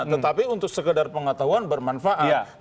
tetapi untuk sekedar pengetahuan bermanfaat